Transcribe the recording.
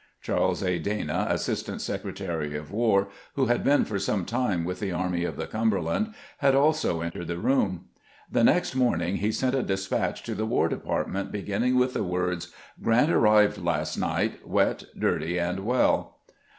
Charles A. Dana, Assistant Secretary of War, who had been for some time with the Army of the Cumberland, had also entered the room. The next morning he sent a despatch to the War Department, beginning with the words, " Grant arrived last night, wet, dirty, and well."